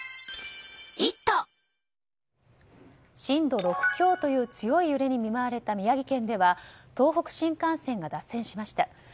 震度６強という強い揺れに見舞われた宮城県では東北新幹線が脱線しました。